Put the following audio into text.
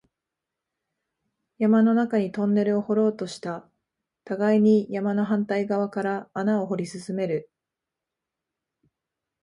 山の中にトンネルを掘ろうとした、互いに山の反対側から穴を掘り進める